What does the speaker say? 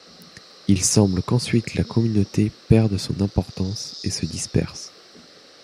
Il semble qu'ensuite la communauté perd de son importance et se disperse.